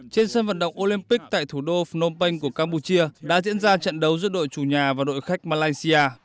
trên sân vận động olympic tại thủ đô phnom penh của campuchia đã diễn ra trận đấu giữa đội chủ nhà và đội khách malaysia